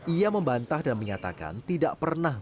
ia membantah dan menyatakan tidak pernah